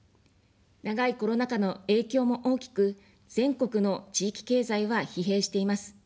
長いコロナ禍の影響も大きく、全国の地域経済は疲弊しています。